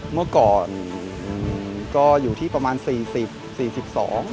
เมื่อก่อนก็อยู่ที่ประมาณ๔๐๔๒บาท